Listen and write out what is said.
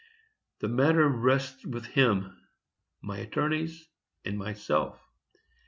The matter rests with him, my attorneys and myself.